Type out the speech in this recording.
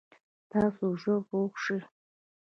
تاسو ژر روغ شئ